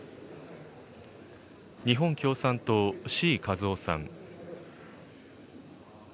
日本共産党、志位和夫さん。